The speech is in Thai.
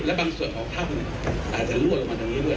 และบางส่วนของท่ำเนี่ยอาจจะรั่วลงมาตรงนี้ด้วย